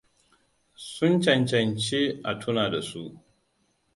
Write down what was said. Sun cancanci a tuna da su.